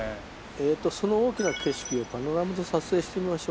その大きな景色をパノラマで撮影してみましょう。